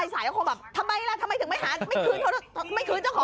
ทำไมล่ะทำไมถึงไม่คืนเจ้าของ